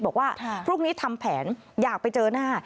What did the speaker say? บอกว่าพรุ่งนี้ทำแผนอยากไปเจอหน้า